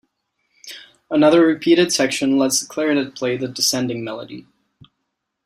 Another repeated section lets the clarinet play the descending melody.